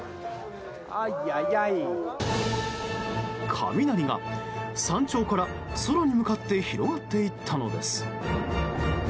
雷が山頂から空に向かって広がっていったのです。